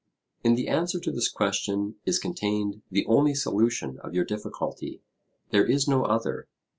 In the answer to this question is contained the only solution of your difficulty; there is no other.